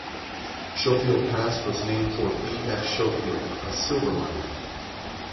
Schofield Pass was named for B. F. Schofield, a silver miner.